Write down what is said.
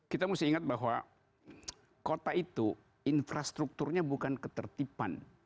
kita mesti ingat bahwa kota itu infrastrukturnya bukan ketertiban